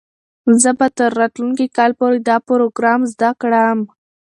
زه به تر راتلونکي کال پورې دا پروګرام زده کړم.